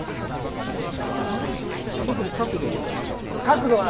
特に角度とかはなかったですか？